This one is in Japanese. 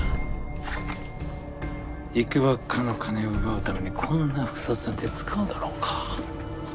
いくばくかの金を奪うためにこんな複雑な手使うだろうか？